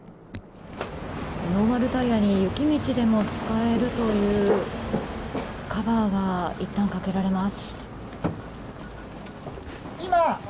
ノーマルタイヤに雪道でも使えるというカバーがいったんかけられます。